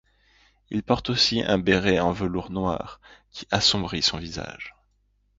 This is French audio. Il porte aussi un béret en velours noir qui assombrit son visage.